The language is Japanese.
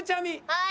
はい。